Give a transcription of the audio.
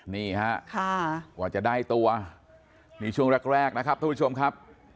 นี่ครับว่าจะได้ตัวนี่ช่วงแรกนะครับทุกผู้ชมครับ